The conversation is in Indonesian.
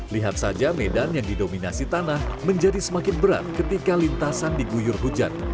lihat saja medan yang didominasi tanah menjadi semakin berat ketika lintasan diguyur hujan